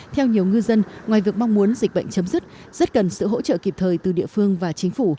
theo nhiều ngư dân ngoài việc mong muốn dịch bệnh chấm dứt rất cần sự hỗ trợ kịp thời từ địa phương và chính phủ